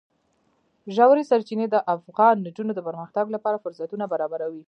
ژورې سرچینې د افغان نجونو د پرمختګ لپاره فرصتونه برابروي.